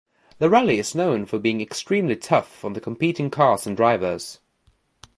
The rally is known for being extremely tough on the competing cars and drivers.